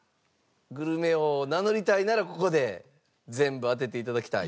グルメ王を名乗りたいならここで全部当てて頂きたい。